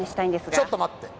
ちょっと待って。